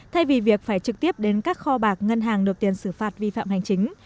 thay vì việc phải trực tiếp đến các kho bạc ngân hàng nộp tiền xử phạt vi phạm hành chính